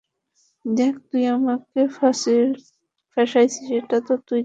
দেখ, তুই আমাকে ফাঁসিয়েছিস, এটা তো তুই জানিস।